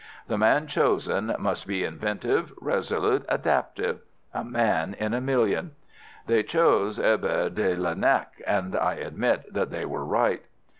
The man chosen must be inventive, resolute, adaptive—a man in a million. They chose Herbert de Lernac, and I admit that they were right.